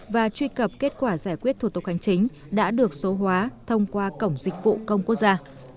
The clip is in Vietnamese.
và truy cập kết quả giải quyết thủ tục hành chính đã được số hóa thông qua cổng dịch vụ công quốc gia